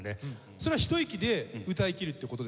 それはひと息で歌いきるって事ですか？